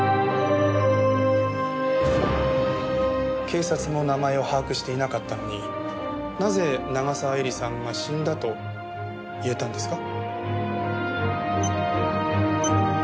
警察も名前を把握していなかったのになぜ長澤絵里さんが死んだと言えたんですか？